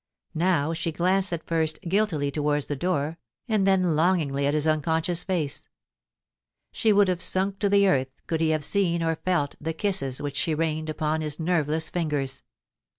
Now she glanced at first guiltily towards the door, and then longingly at his unconscious face. She would have sunk to the earth could he have seen, or felt, the kisses which she reined upon his nerveless fingers.